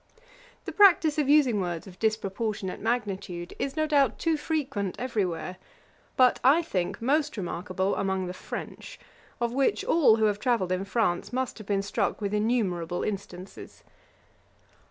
The practice of using words of disproportionate magnitude, is, no doubt, too frequent every where; but, I think, most remarkable among the French, of which, all who have travelled in France must have been struck with innumerable instances.